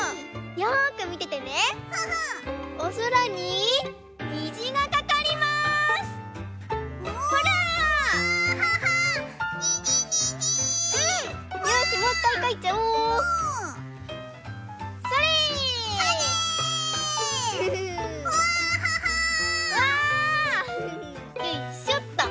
よいしょと。